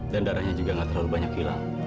dan darahnya juga gak terlalu banyak hilang